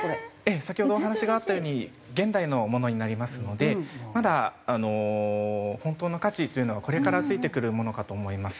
先ほどお話があったように現代のものになりますのでまだ本当の価値というのはこれから付いてくるものかと思います。